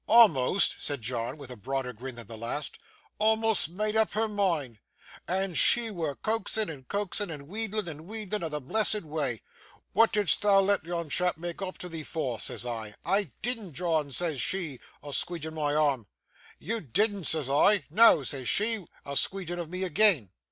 'A'most!' said John, with a broader grin than the last. 'A'most made up her mind! And she wur coaxin', and coaxin', and wheedlin', and wheedlin' a' the blessed wa'. "Wa'at didst thou let yon chap mak' oop tiv'ee for?" says I. "I deedn't, John," says she, a squeedgin my arm. "You deedn't?" says I. "Noa," says she, a squeedgin of me agean.